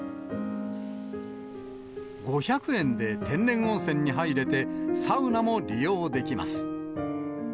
５００円で天然温泉に入れて、サウナも利用できます。